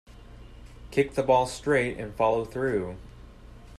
Kick the ball straight and follow through.